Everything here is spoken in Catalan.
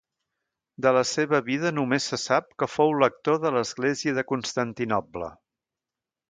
De la seva vida només se sap que fou lector de l'església de Constantinoble.